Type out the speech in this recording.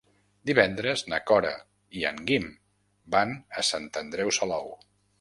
Divendres na Cora i en Guim van a Sant Andreu Salou.